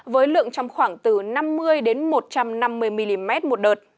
với lượng trong khoảng từ năm mươi một trăm linh mm